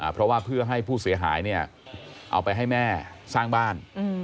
เพราะว่าเพื่อให้ผู้เสียหายเนี่ยเอาไปให้แม่สร้างบ้าน